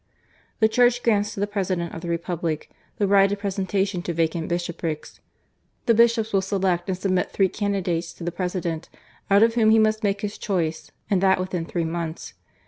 "The Church grants to the President of the Republic, the right of presentation to vacant bishop rics. The Bishops will select and submit three candidates to the President, out of whom he must make his choice and that within three months.